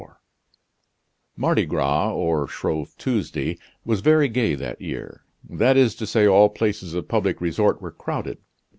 XV Mardi Gras, or Shrove Tuesday, was very gay that year; that is to say, all places of public resort were crowded.